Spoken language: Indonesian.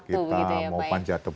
tidak dilihat waktu begitu ya pak ya